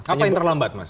apa yang terlambat mas